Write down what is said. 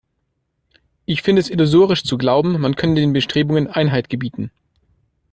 Ich finde es illusorisch zu glauben, man könne den Bestrebungen Einhalt gebieten.